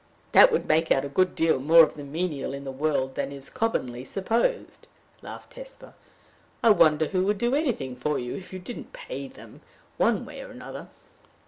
"That would make out a good deal more of the menial in the world than is commonly supposed," laughed Hesper. "I wonder who would do anything for you if you didn't pay them one way or another!"